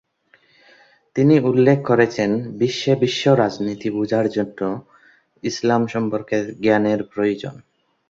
তিনি উল্লেখ করেছেন বিশ্বে বিশ্ব রাজনীতি বোঝার জন্য ইসলাম সম্পর্কে জ্ঞানের প্রয়োজন।